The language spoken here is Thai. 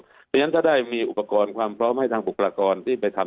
เพราะฉะนั้นถ้าได้มีอุปกรณ์ความพร้อมให้ทางบุคลากรที่ไปทำ